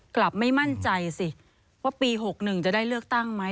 กลับไม่มั่นใจสิว่าปี๖๑จะได้เลือกตั้งไหม